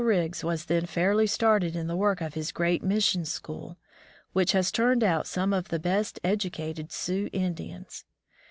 Riggs was then fairly started in the work of his great mission school, which has turned out some of the best educated Sioux Indians.